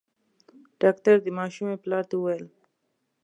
ډاکټر د ماشومي پلار ته وويل :